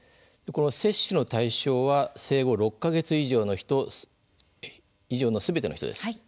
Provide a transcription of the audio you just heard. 接種の対象は生後６か月以上のすべての人です。